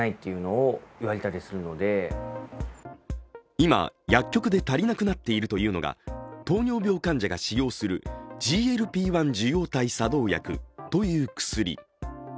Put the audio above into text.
今、薬局で足りなくなっているというのが糖尿病患者が使用するＧＬＰ−１受容体作動薬という薬。